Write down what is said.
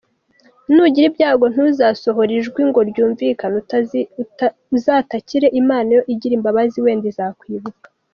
Nugira ibyago ntuzasohore ijwi ngo ryumvikane, uzatakire Imana ni yo igira imbabazi wenda izakwibuka.